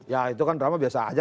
ya itu kan drama biasa aja